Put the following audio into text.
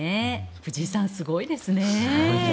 藤井さん、すごいですね。